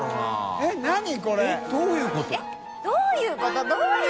えっどういうこと？